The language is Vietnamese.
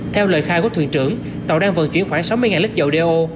theo lời khai của thuyền trưởng tàu đang vận chuyển khoảng sáu mươi lít dầu đeo